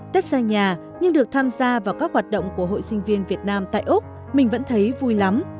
tết xa nhà nhưng được tham gia vào các hoạt động của hội sinh viên việt nam tại úc mình vẫn thấy vui lắm